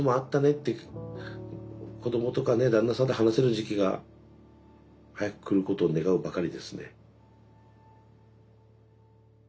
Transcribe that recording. って子どもとかね旦那さんと話せる時期が早く来ることを願うばかりですね。